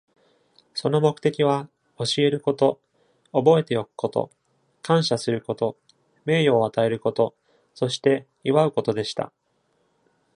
その目的は、教えること、覚えておくこと、感謝すること、名誉を与えること、そして祝うことでした。